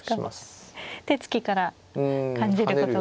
手つきから感じることが。